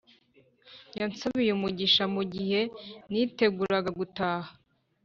Yansabiye umugisha mugihe niteguraga gutaha